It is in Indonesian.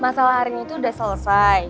masalah arin itu udah selesai